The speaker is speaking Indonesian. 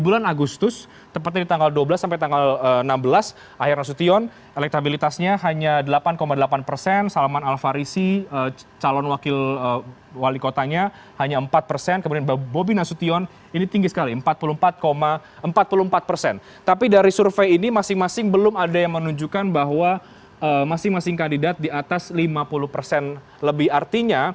lebih artinya dari survei